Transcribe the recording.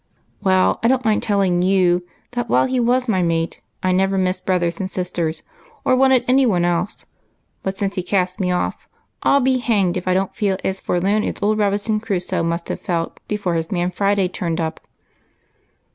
" Well, I don't mind telling you that while he was my mate I never missed brothers and sisters, or wanted any one else ; but since he cast me off, I '11 be hanged if I don't feel as forlorn as old Crusoe before Friday turned up."